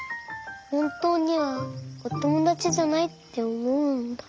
ほんとうにはおともだちじゃないっておもうんだ。